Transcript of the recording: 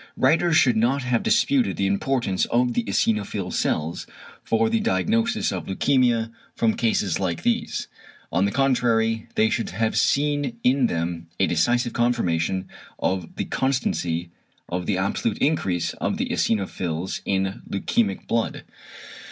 Writers should not have disputed the importance of the eosinophil cells for the diagnosis of leukæmia from cases like these; on the contrary they should have seen in them a decisive confirmation of the constancy of the absolute increase of the eosinophils in leukæmic blood.